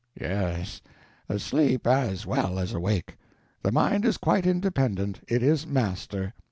Yes, asleep as well as awake. The mind is quite independent. It is master.